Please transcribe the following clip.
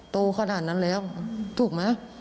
โตขนาดนั้นแล้วถูกไหม